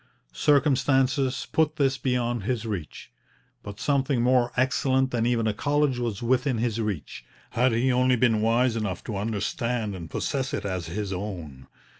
Circumstances put this beyond his reach; but something more excellent than even a college was within his reach, had he only been wise enough to understand and possess it as his own.